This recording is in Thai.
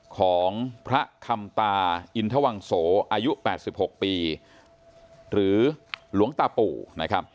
ของพระคำตาอินทวังโสอายุ๘๖ปีหรือหลวงตาปู่นะครับ